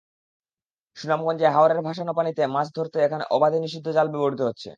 সুনামগঞ্জে হাওরের ভাসান পানিতে মাছ ধরতে এখন অবাধে নিষিদ্ধ জাল ব্যবহৃত হচ্ছে।